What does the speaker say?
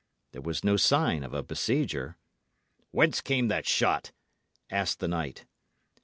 There was no sign of a besieger. "Whence came that shot?" asked the knight.